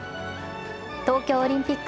東京オリンピック